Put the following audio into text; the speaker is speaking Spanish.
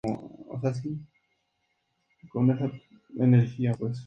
Índices que disminuyen da resultado negativo.